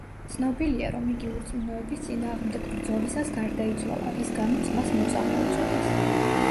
ცნობილია, რომ იგი „ურწმუნოების“ წინააღმდეგ ბრძოლისას გარდაიცვალა, რის გამოც, მას „მოწამე“ უწოდეს.